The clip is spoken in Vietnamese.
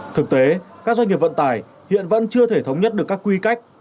thực tế các doanh nghiệp vận tải hiện vẫn chưa thể thống nhất được các quy cách